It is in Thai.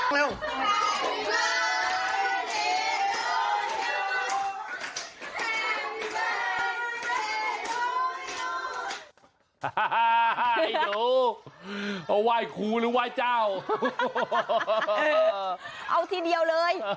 ฮ่าไอ้ลูกเขาไหว้ครูหรือไหว้เจ้าเอาที่เดียวเลย